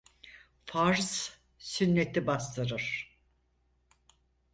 Farz sünneti bastırır.